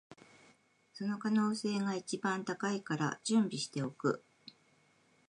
その可能性が一番高いから準備しておく